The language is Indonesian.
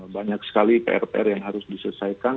banyak sekali pr pr yang harus diselesaikan